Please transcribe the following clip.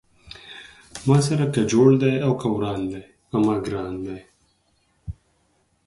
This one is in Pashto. ما سره که جوړ دی او که وران دی پۀ ما ګران دی